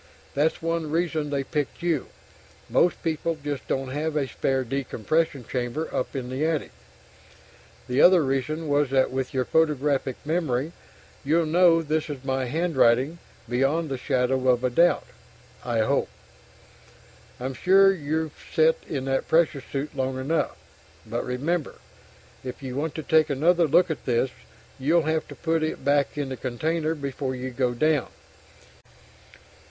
That's one reason they picked you most people just don't have a spare decompression chamber up in the attic! The other reason was that with your photographic memory, you'll know this is my handwriting, beyond the shadow of a doubt, I hope. I'm sure you've sat in that pressure suit long enough. But remember, if you want to take another look at this, you'll have to put it back in the container before you go "down."